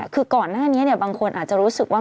คือก่อนหน้านี้บางคนอาจจะรู้สึกว่า